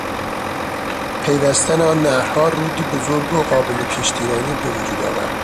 پیوستن آن نهرها رودی بزرگ و قابل کشتیرانی به وجود آورد.